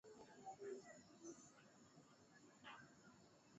mmoja wa wanasiasa vijana wenye nguvu na ushawishi mkubwa wa maamuzi ndani ya Chama